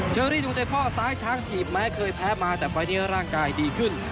เชอรี่ดวงใจพ่อซ้ายช้างถีบแม้เคยแพ้มาแต่ไฟล์นี้ร่างกายดีขึ้น